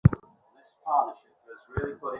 দেখেন শাশুড়ি আম্মা।